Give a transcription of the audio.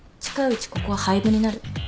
近いうちここは廃部になる。